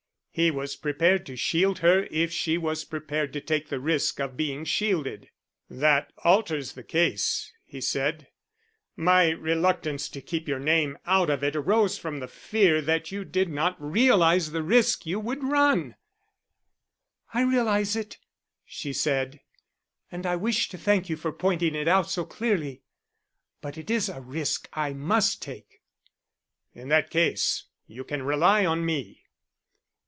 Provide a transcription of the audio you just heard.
He was prepared to shield her if she was prepared to take the risk of being shielded. "That alters the case," he said. "My reluctance to keep your name out of it arose from the fear that you did not realize the risk you would run." "I realize it," she said. "And I wish to thank you for pointing it out so clearly. But it is a risk I must take." "In that case you can rely on me."